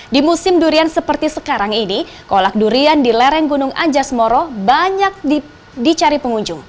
di musim durian seperti sekarang ini kolak durian di lereng gunung anjas moro banyak dicari pengunjung